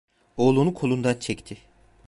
Oğlunu kolundan çekti.